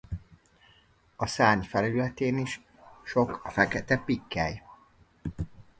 A szárny felületén is sok a fekete pikkely.